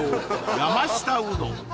山下うどん